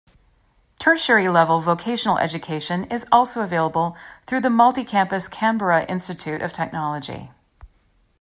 Tertiary level vocational education is also available through the multi-campus Canberra Institute of Technology.